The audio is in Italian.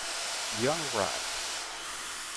Dion Wright